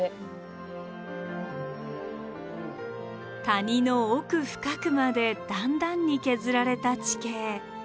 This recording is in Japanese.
谷の奥深くまで段々に削られた地形。